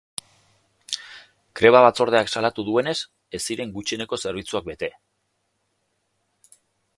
Greba batzordeak salatu duenez, ez ziren gutxieneko zerbitzuak bete.